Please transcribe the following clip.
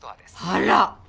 あら。